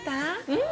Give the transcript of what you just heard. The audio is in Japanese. うん。